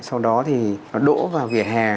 sau đó thì nó đỗ vào vỉa hè